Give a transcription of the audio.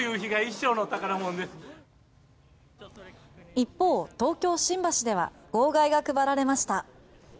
一方、東京・新橋では号外が配られました。